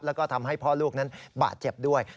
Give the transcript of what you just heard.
แล้วก็ทำให้พ่อลูกนั้นบาดเจ็บด้วย